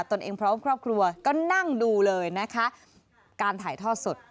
ตนเองพร้อมครอบครัวก็นั่งดูเลยนะคะการถ่ายทอดสด